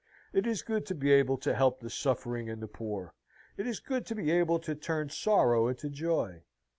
It is good to be able to help the suffering and the poor; it is good to be able to turn sorrow into joy.